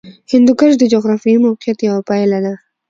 هندوکش د جغرافیایي موقیعت یوه پایله ده.